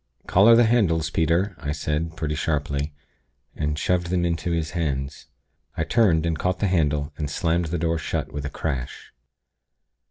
'Collar the candles, Peter!' I said, pretty sharply, and shoved them into his hands. I turned, and caught the handle, and slammed the door shut, with a crash.